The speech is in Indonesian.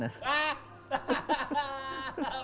itu udah minus